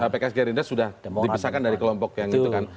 pks gerindra sudah dipisahkan dari kelompok yang itu kan